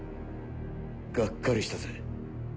がっかりしたぜ。